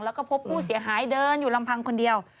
แล้วก็พบผู้เสียหายเดินอยู่ลำพังคนเดียว